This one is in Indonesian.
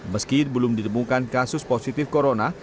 meski belum ditemukan kasus positif corona